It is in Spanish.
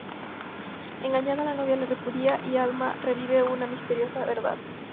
Engañada, la novia le repudia y Alma revive una misteriosa verdad...